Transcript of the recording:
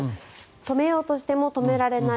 止めようとしても止められない。